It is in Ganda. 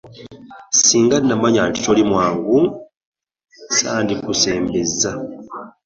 Ssinga namanya nti toli mwangu ssandikusembezza.